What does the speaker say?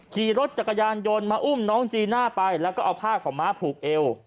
ขี่รถจักรยานยนต์มาอุ้มน้องจีน่าไปแล้วก็เอาผ้าขาวม้าผูกเอว